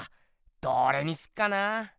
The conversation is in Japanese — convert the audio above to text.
どれにすっかなあ？